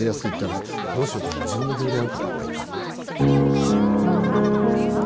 どうしようかな自分の曲でやるかまあいいか。